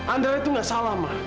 andara itu gak salah ma